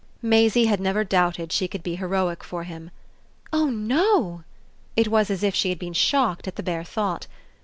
Maisie had never doubted she could be heroic for him. "Oh no!" It was as if she had been shocked at the bare thought.